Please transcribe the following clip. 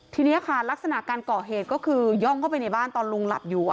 ทีนี้ค่ะลักษณะการก่อเหตุก็คือย่องเข้าไปในบ้านตอนลุงหลับอยู่